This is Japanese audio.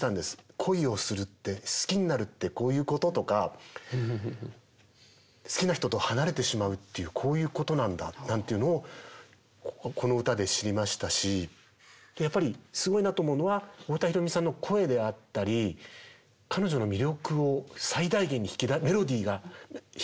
恋をするって好きになるってこういうこと？とか好きな人と離れてしまうってこういうことなんだなんていうのをこの歌で知りましたしやっぱりすごいなと思うのは太田裕美さんの声であったり彼女の魅力を最大限にメロディーが引き出してる感じがするんです。